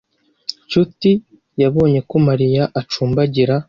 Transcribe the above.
Nshuti yabonye ko Mariya acumbagira.